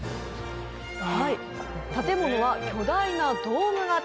建物は巨大なドーム型。